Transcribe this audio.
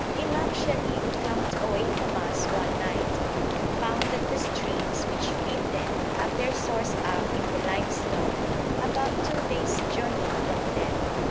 Imam Sharif camped away from us one night and found that the streams which feed them have their source up in the limestone, about two days' journey from them.